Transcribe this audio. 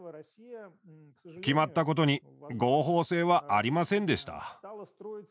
決まったことに合法性はありませんでした。